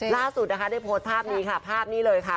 ล่าสุดนะคะได้โพสต์ภาพนี้ค่ะ